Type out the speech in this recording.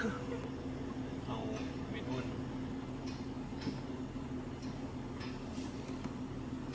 อ่าเดี๋ยวไปขยายหน่อยนะอย่าไปขยายหน่อยครับ